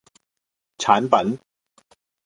產品